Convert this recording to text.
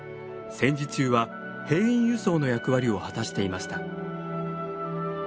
戦時中は兵員輸送の役割を果たしていました。